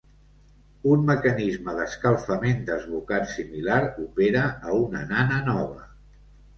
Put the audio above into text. Un mecanisme d'escalfament desbocat similar opera a una nana nova.